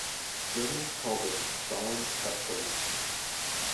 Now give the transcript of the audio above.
Germans called them "Stalin's cutthroats".